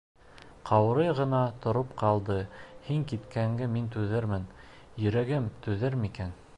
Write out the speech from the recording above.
Ҡаурый ғына тороп ҡалды Һин киткәнгә мин түҙермен, Йөрәгем түҙер микән?..